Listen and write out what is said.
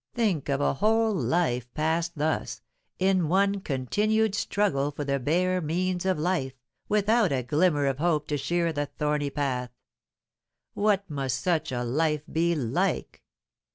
Think of a whole life passed thus, in one continued struggle for the bare means of life, without a glimmer of hope to cheer the thorny path. What must such a life be like?